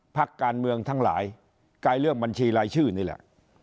พักการเมืองทั้งหลายกายเรื่องบัญชีรายชื่อนี่แหละ